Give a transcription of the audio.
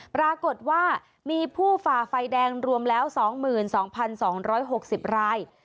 ปรากฏว่ามีผู้ฝ่าไฟแดงรวมแล้ว๒๒๖๐ราย